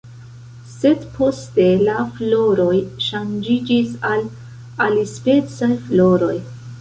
Sed poste la floroj ŝanĝiĝis al alispecaj floroj.